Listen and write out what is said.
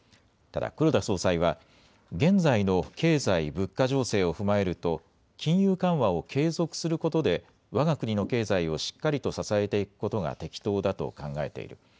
ただ黒田総裁は現在の経済・物価情勢を踏まえると金融緩和を継続することでわが国の経済をしっかりと支えていくことが適当だと考えている。